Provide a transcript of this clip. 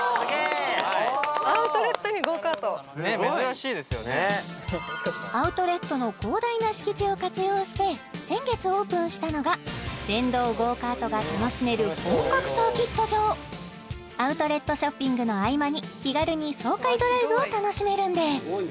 アウトレットにゴーカートねっ珍しいですよねアウトレットの広大な敷地を活用して先月オープンしたのが電動ゴーカートが楽しめる本格サーキット場アウトレットショッピングの合間に気軽に爽快ドライブを楽しめるんです